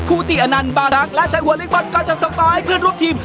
คู่ตี้อณันบาทักแล้วใช้หัวเล็กบอลกลับจะสอบต่อให้เพื่อนร่วมทีม